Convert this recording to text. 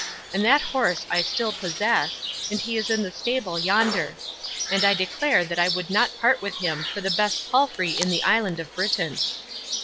And that horse I still possess, and he is in the stable yonder. And I declare that I would not part with him for the best palfrey in the island of Britain.